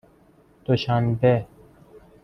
دوشنبه